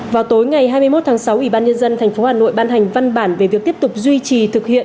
vào tối ngày hai mươi một tháng sáu ủy ban nhân dân tp hà nội ban hành văn bản về việc tiếp tục duy trì thực hiện